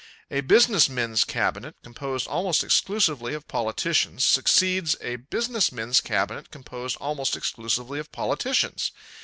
A business men's cabinet, composed almost exclusively of politicians, succeeds a business men's cabinet composed almost exclusively of politicians.